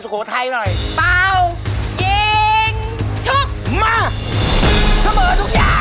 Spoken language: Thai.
สุโคไทยครับสุโคไทยครับสุโคไทยครับ